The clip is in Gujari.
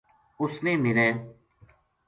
اس نے میرے